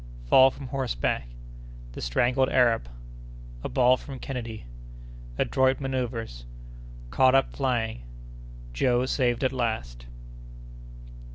—Fall from Horseback.—The Strangled Arab.—A Ball from Kennedy.—Adroit Manœuvres.—Caught up flying.—Joe saved at last.